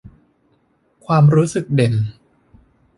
ความรู้สึกเด่น